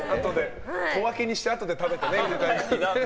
小分けにして、あとで食べてね。